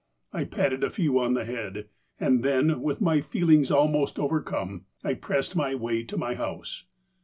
I patted a few on the head, and then, with my feelings almost overcome, I pressed my way to my house.